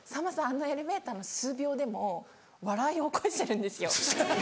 あのエレベーターの数秒でも笑いを起こしてるんですよ。